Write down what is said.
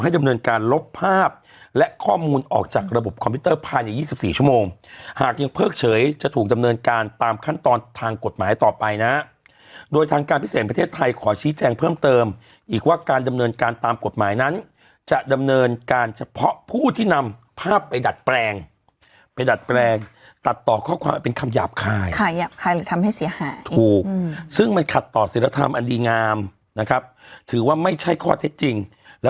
โดยทางการพิเศษประเทศไทยขอชี้แจงเพิ่มเติมอีกว่าการดำเนินการตามกฎหมายนั้นจะดำเนินการเฉพาะผู้ที่นำภาพไปดัดแปลงไปดัดแปลงตัดต่อข้อความเป็นคำหยาบคายหยาบคายหรือทำให้เสียหายถูกอืมซึ่งมันขัดต่อเสียรธรรมอันดีงามนะครับถือว่าไม่ใช่ข้อเท็จจริงแล้